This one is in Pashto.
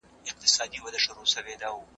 او د کیفیت پر بنسټ دی.